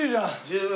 十分。